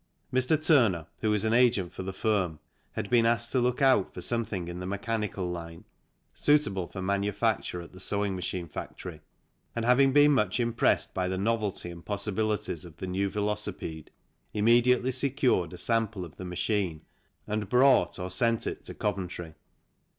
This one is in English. Mr. Turner, who was an agent for the firm, had been asked to look out for something in the mechanical line, suitable for manufacture at the 2 THE CYCLE INDUSTRY sewing machine factory, and having been much impressed by the novelty and possibilities of the new velocipede, immediately secured a sample of the machine and brought or sent it to Coventry.